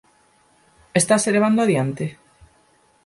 Estase levando adiante?